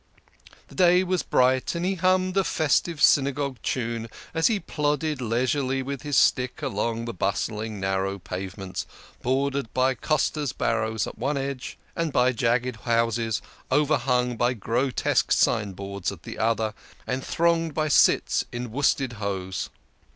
The day was bright, and he hummed a festive Synagogue tune as he plodded leisurely with his stick along the bustling, narrow pavements, bordered by costers' barrows at one edge, and by jagged houses, over hung by grotesque signboards, at the other, and thronged by cits in worsted hose.